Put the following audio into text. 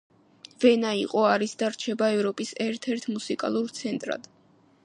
ვენა იყო არის და რჩება ევროპის ერთ-ერთ მუსიკალურ ცენტრად.